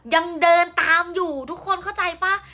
ยังเดินตามอยู่ทุกคนเข้าใจป่ะ